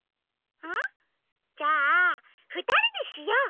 あっじゃあふたりでしよう！